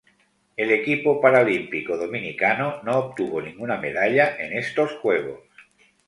El equipo paralímpico dominicano no obtuvo ninguna medalla en estos Juegos.